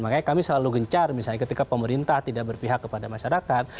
makanya kami selalu gencar misalnya ketika pemerintah tidak berpihak kepada masyarakat